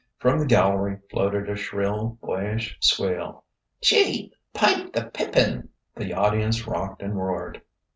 From the gallery floated a shrill, boyish squeal: "Gee! pipe the pippin!" The audience rocked and roared.